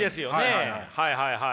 はいはいはい。